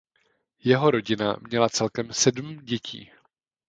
Jeho rodina měla celkem sedm dětí.